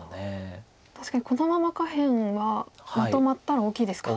確かにこのまま下辺はまとまったら大きいですか。